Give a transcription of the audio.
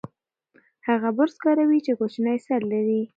هغه برس کاروي چې کوچنی سر لري.